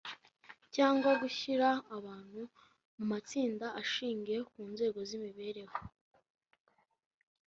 cyangwa uburyo bwo gushyira abantu mu matsinda ashingiye ku nzego z’imibereho.